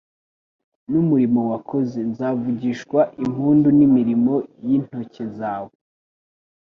n’umurimo wakoze, nzavugishwa impundu n’imirimo y’intoke zawe;